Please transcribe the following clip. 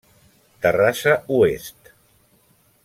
Terrassa Oest.